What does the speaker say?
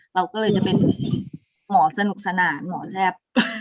เราก็เลยจะเป็นหมอสนุกสนานหมอแซ่บ